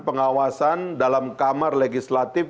pengawasan dalam kamar legislatif